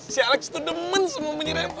si alex itu demen sama minuman reva